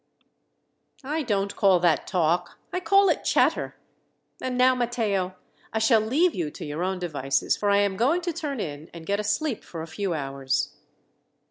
"I don't call that talk. I call it chatter. And now, Matteo, I shall leave you to your own devices, for I am going to turn in and get a sleep for a few hours."